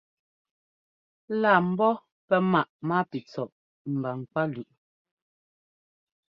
Lá ḿbɔ́ pɛ́ maꞌ mápitsɔꞌ mba ŋkwálʉꞌ.